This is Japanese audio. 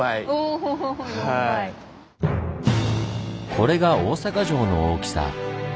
これが大坂城の大きさ。